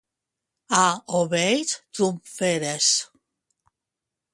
A Oveix, trumferes.